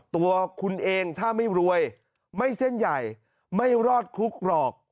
ตัวคุณเองถ้าไม่รวยไม่เส้นใหญ่ไม่รอดคุกหรอก